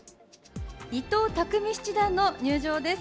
伊藤匠七段の入場です。